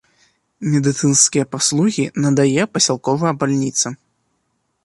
Медыцынскія паслугі надае пасялковая бальніца.